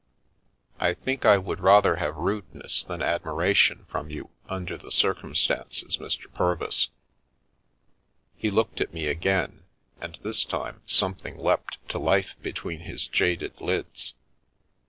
" I think I would rather have rudeness than admira tion from you under the circumstances, Mr. Purvis." He looked at me again, and this time something leapt to life between his jaded lids.